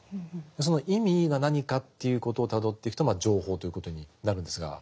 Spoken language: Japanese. その意味が何かということをたどっていくと情報ということになるんですが。